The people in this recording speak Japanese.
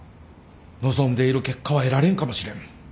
望んでいる結果は得られんかもしれん